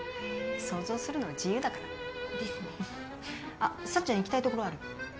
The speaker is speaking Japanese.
想像するのは自由だから。ですね。あ幸ちゃん行きたいところある？